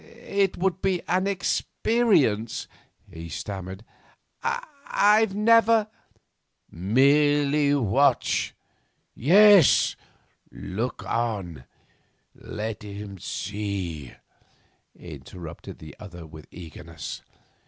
'It would be an experience,' he stammered. 'I've never ' 'Merely watch, yes; look on; let him see,' interrupted the other with eagerness.